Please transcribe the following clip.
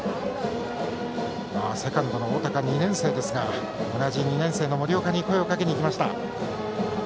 セカンドの大高は２年生ですが同じ２年生の森岡に声をかけに行きました。